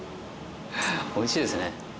おいしいですね。